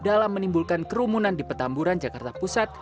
dalam menimbulkan kerumunan di petamburan jakarta pusat